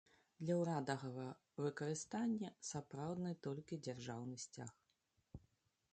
Для ўрадавага выкарыстання сапраўдны толькі дзяржаўны сцяг.